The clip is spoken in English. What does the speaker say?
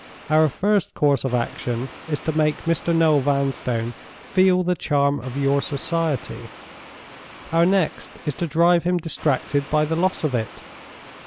Our first course of action is to make Mr. Noel Vanstone feel the charm of your society. Our next is to drive him distracted by the loss of it.